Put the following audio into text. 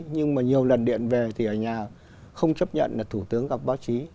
nhưng mà nhiều lần điện về thì ở nhà không chấp nhận là thủ tướng gặp báo chí